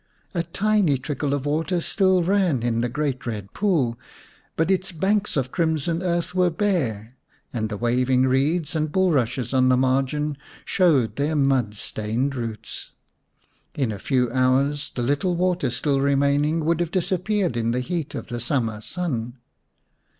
A tiny trickle of water still ran in the great Red Pool, but its banks of crimson earth were bare, and the waving reeds and bulrushes on the margin showed their mud stained roots. In a few hours the little water still remaining would have disappeared in the heat of the summer sun.